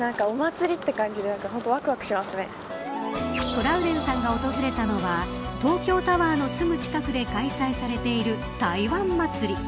トラウデンさんが訪れたのは東京タワーのすぐ近くで開催されている台湾祭。